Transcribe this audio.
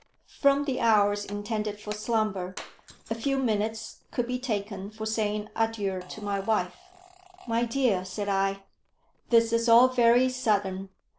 From the hours intended for slumber, a few minutes could be taken for saying adieu to my wife. "My dear," said I, "this is all very sudden.